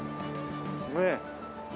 ねえ。